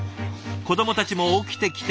子どもたちも起きてきてお見送り。